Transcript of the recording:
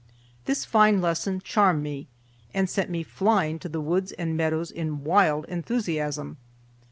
This fine lesson charmed me and sent me to the woods and meadows in wild enthusiasm.